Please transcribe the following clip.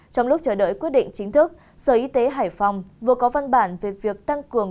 trong lúc chờ đợi quyết định chính thức sở y tế hải phòng vừa có văn bản về việc tăng cường